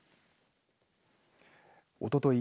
おととい